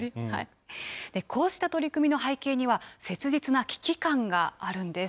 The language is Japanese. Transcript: こうした取り組みの背景には、切実な危機感があるんです。